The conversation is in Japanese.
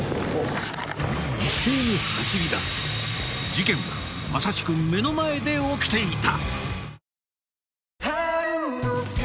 一斉に走り出す事件はまさしく目の前で起きていた！